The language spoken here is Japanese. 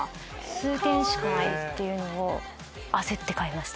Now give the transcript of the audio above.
数点しかないっていうのを焦って買いました。